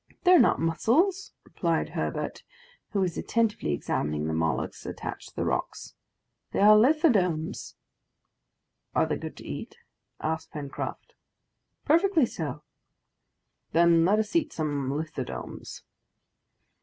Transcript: "They are not mussels," replied Herbert, who was attentively examining the molluscs attached to the rocks; "they are lithodomes." "Are they good to eat?" asked Pencroft. "Perfectly so." "Then let us eat some lithodomes."